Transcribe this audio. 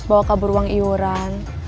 bawa kabur uang iuran